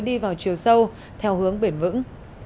đi vào chiều sâu theo hướng bền vững